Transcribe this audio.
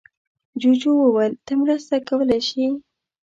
جوجو وویل ته مرسته کولی شې.